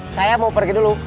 saya mau pergi dulu